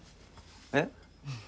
えっ？